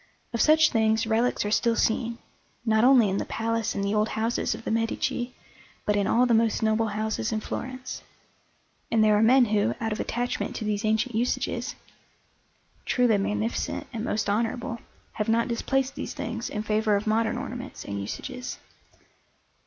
Of such things relics are still seen, not only in the palace and the old houses of the Medici, but in all the most noble houses in Florence; and there are men who, out of attachment to these ancient usages, truly magnificent and most honourable, have not displaced these things in favour of modern ornaments and usages.